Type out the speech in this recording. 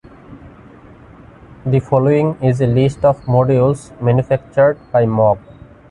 The following is a list of modules manufactured by Moog.